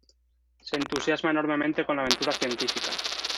Se entusiasma enormemente con la aventura científica.